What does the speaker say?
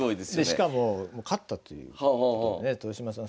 でしかも勝ったということもね豊島さん